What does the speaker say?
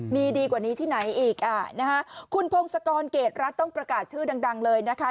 มีดีกว่านี้ที่ไหนอีกอ่ะนะคะคุณพงศกรเกรดรัฐต้องประกาศชื่อดังดังเลยนะคะ